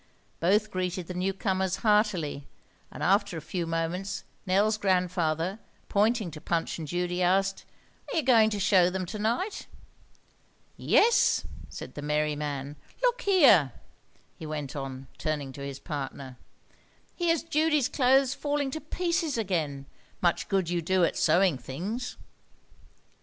Both greeted the newcomers heartily, and after a few moments Nell's grandfather, pointing to Punch and Judy, asked, "Are you going to show them to night?" "Yes," said the merry man. "Look here," he went on, turning to his partner, "here's Judy's clothes falling to pieces again. Much good you do at sewing things."